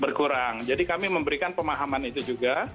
berkurang jadi kami memberikan pemahaman itu juga